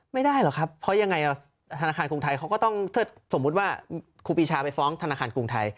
ไม่ได้หรอกครับเพราะยังไงธนาคารกรุงไทยเขาก็ต้องถ้าสมมุติว่าครูปีชาไปฟ้องธนาคารกรุงไทย